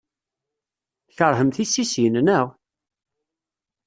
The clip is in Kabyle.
Tkeṛhem tissisin, naɣ?